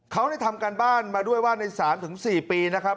เขาทำการบ้านมาด้วยว่าใน๓๔ปีนะครับ